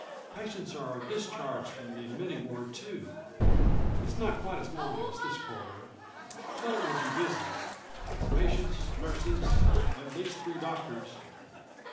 Patients are discharged from the admitting ward too. It's not quite as long as this corridor but it will be busier. Patients, nurses at least three doctors.